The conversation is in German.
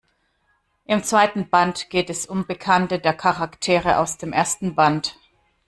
Im zweiten Band geht es um Bekannte der Charaktere aus dem ersten Band.